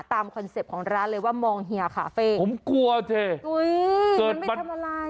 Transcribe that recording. คอนเซ็ปต์ของร้านเลยว่ามองเฮียคาเฟ่ผมกลัวสิอุ้ยเกิดไม่ทำอะไร